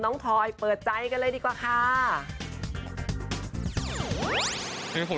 ยิงปืนหรอฮะในสนามใช่ป่ะ